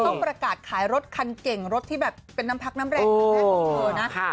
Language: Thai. ต้องประกาศขายรถคันเก่งรถที่แบบเป็นน้ำพักน้ำแรงครั้งแรกของเธอนะ